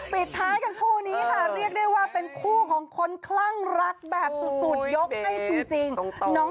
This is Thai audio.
ปิดท้ายกันคู่นี้ค่ะเรียกได้ว่าเป็นคู่ของคนคลั่งรักแบบสุดยกให้จริง